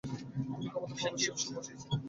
তিনি ক্ষমতা ও প্রভাবে শীর্ষে পৌঁছে গিয়েছিলেন।